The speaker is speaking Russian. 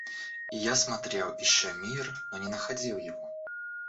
И я смотрел, ища мир, но не находил его.